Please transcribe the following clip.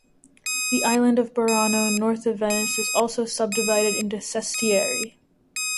The island of Burano north of Venice is also subdivided into "sestieri".